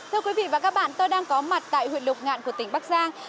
thưa quý vị và các bạn tôi đang có mặt tại huyện lục ngạn của tỉnh bắc giang